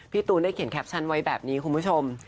ตูนได้เขียนแคปชั่นไว้แบบนี้คุณผู้ชม